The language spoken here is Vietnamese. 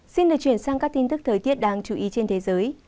xin được chuyển sang các tin tức thời tiết đáng chú ý trên thế giới